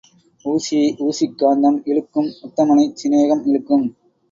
ஊசியை ஊசிக் காந்தம் இழுக்கும் உத்தமனைச் சிநேகம் இழுக்கும்.